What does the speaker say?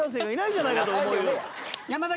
山崎！